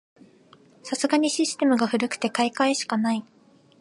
さすがにシステムが古くて買い替えしかない